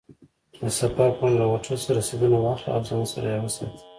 د سفر پر مهال له هوټل څخه رسیدونه واخله او ځان سره یې وساته.